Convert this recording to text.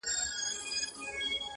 • هر زړه يو درد ساتي تل,